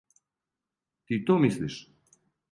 Ти то мислиш?